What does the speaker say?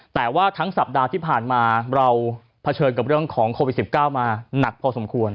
แต่ว่าทั้งสัปดาห์ที่ผ่านมาเราเผชิญกับเรื่องของโควิด๑๙มาหนักพอสมควร